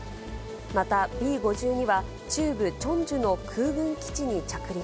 また、Ｂ５２は中部チョンジュの空軍基地に着陸。